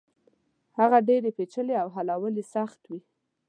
هغه ډېرې پېچلې او حلول يې سخت وي.